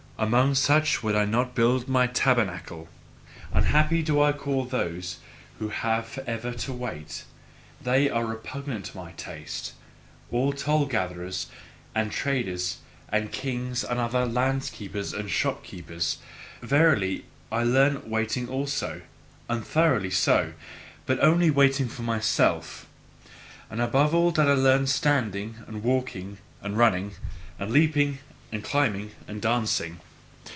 Amongst such would I not build my tabernacle. Unhappy do I also call those who have ever to WAIT, they are repugnant to my taste all the toll gatherers and traders, and kings, and other landkeepers and shopkeepers. Verily, I learned waiting also, and thoroughly so, but only waiting for MYSELF. And above all did I learn standing and walking and running and leaping and climbing and dancing.